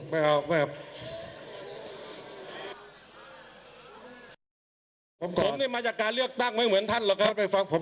มาจากการเลือกตั้งไม่เหมือนท่านหรอกครับไปฟังผม